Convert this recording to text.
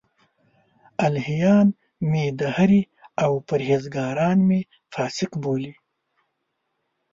الهیان مې دهري او پرهېزګاران مې فاسق بولي.